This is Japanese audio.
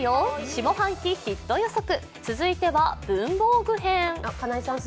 下半期ヒット予測、続いては文房具編。